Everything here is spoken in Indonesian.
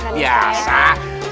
setuju pak ustadz